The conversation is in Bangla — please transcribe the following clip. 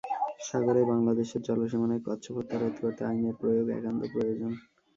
সাগরে বাংলাদেশের জলসীমানায় কচ্ছপ হত্যা রোধ করতে আইনের প্রয়োগ একান্ত প্রয়োজন।